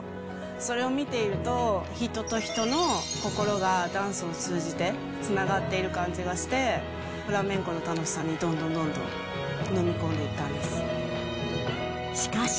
それを見ていると、人と人の心がダンスを通じてつながっている感じがして、フラメンコの楽しさにどんどんどんどんのめり込んでいったんです